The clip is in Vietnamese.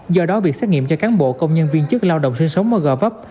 do đó việc xét nghiệm cho cán bộ công nhân viên chức lao động sinh sống ở gò vấp